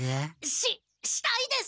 ししたいです！